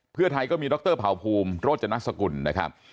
เพื่อไทยก็มีดรเผ่าภูมิโรจนสกุลนะครับ